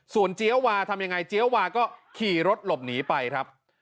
ส่วนเจี๊ยววาทำยังไงเจี๊ยววาก็ขี่รถหลบหนีไปครับ